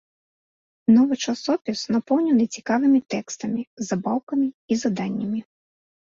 Новы часопіс напоўнены цікавымі тэкстамі, забаўкамі і заданнямі.